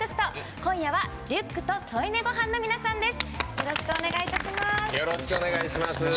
今夜はリュックと添い寝ごはんの皆さんです。